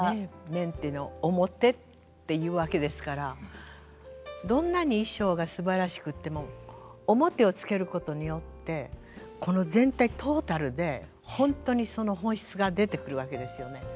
面っていうの面って言うわけですからどんなに衣装がすばらしくっても面をつけることによってこの全体トータルで本当にその本質が出てくるわけですよね。